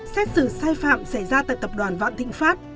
xét xử sai phạm xảy ra tại tập đoàn vạn thịnh pháp